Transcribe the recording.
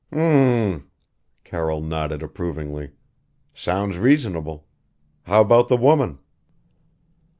"M m m!" Carroll nodded approvingly. "Sounds reasonable. How about the woman?"